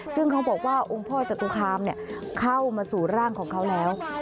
ซึ่งเขาบอกว่าองค์พ่อจตุคามเข้ามาสู่ร่างของเขาแล้ว